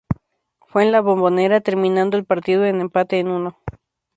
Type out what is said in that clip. Fue en La Bombonera, terminando el partido en empate en uno.